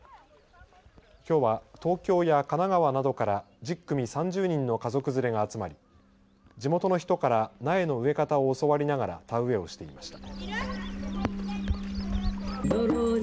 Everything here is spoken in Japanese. きょうは東京や神奈川などから１０組３０人の家族連れが集まり地元の人から苗の植え方を教わりながら田植えをしていました。